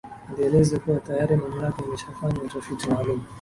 Alieleza kuwa tayari mamlaka imeshafanya utafiti maalumu